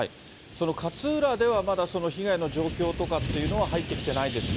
その勝浦ではまだ被害の情報とかっていうのは入ってきてないですか？